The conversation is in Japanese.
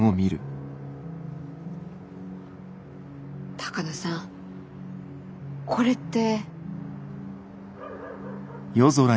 鷹野さんこれって。